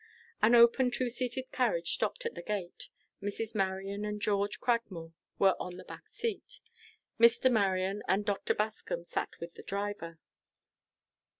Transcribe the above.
An open, two seated carriage stopped at the gate. Mrs. Marion and George Cragmore were on the back seat. Mr. Marion and Dr. Bascom sat with the driver.